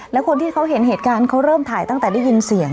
แล้วคนที่เขาเห็นเหตุการณ์เขาเริ่มถ่ายตั้งแต่ได้ยินเสียง